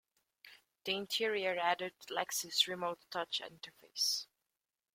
The interior added the Lexus Remote Touch interface.